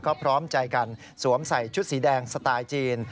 ก็พร้อมใจกันสวมใส่ชุดสีแดงสไตล์จีน